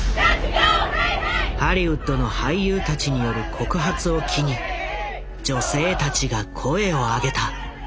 ハリウッドの俳優たちによる告発を機に女性たちが声を上げた。